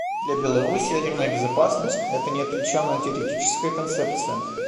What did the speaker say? Для Беларуси ядерная безопасность — это не отвлеченная теоретическая концепция.